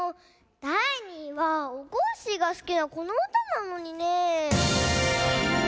だい２いはおこっしぃがすきなこのうたなのにねえ。